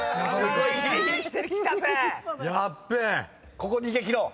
ここ逃げ切ろう。